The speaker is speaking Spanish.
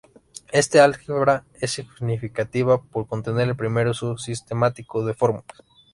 Este álgebra es significativa por contener el primer uso sistemático de fórmulas.